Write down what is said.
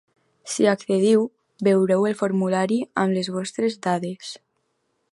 Si hi accediu, veureu el formulari amb les vostres dades.